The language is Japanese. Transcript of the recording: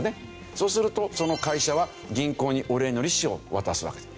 そうするとその会社は銀行にお礼の利子を渡すわけです。